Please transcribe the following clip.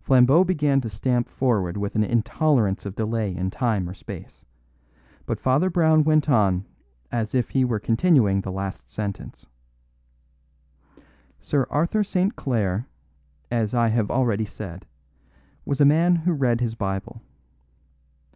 Flambeau began to stamp forward with an intolerance of delay in time or space; but Father Brown went on as if he were continuing the last sentence: "Sir Arthur St. Clare, as I have already said, was a man who read his Bible.